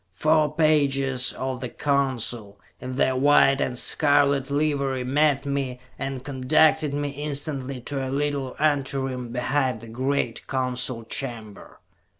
Four pages of the Council, in their white and scarlet livery, met me and conducted me instantly to a little anteroom behind the great council chamber.